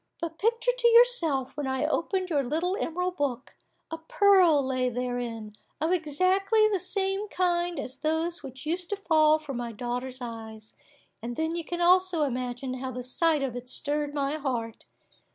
But picture to yourself, when I opened your little emerald book, a pearl lay therein, of exactly the same kind as those which used to fall from my daughter's eyes; and then you can also imagine how the sight of it stirred my heart.